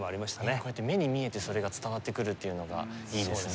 こうやって目に見えてそれが伝わってくるというのがいいですね